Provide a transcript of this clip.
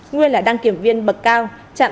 nguyên là đăng kiểm viên bậc cao